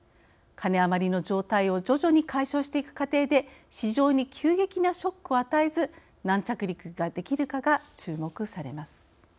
カネ余りの状態を徐々に解消していく過程で市場に急激なショックを与えず軟着陸ができるかが注目されます。